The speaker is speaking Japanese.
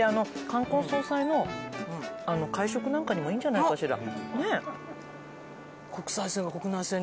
冠婚葬祭の会食なんかにもいいんじゃないかしら。